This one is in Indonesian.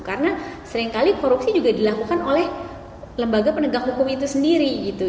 karena seringkali korupsi juga dilakukan oleh lembaga penegak hukum itu sendiri gitu